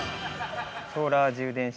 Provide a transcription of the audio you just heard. ◆ソーラー充電式